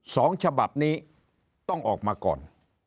สองฉบับนี้ต้องออกมาก่อน